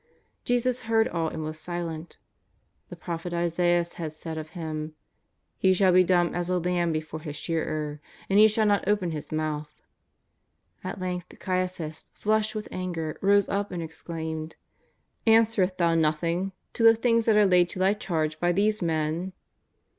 Jesus heard all and was silent. The prophet Isaias had said of Him :" He shall be dumb as a lamb be fore His shearer, and He shall not open His mouth.'' At length Caiaphas, flushed wdth anger, rose up and exclaimed : '^Answerest Thou nothing to the things that are laid to Thy charge by these men